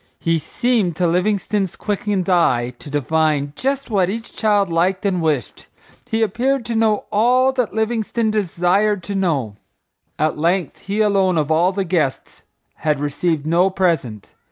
He seemed to Livingstone's quickened eye to divine just what each child liked and wished. He appeared to know all that Livingstone desired to know. At length, he alone of all the guests had received no present.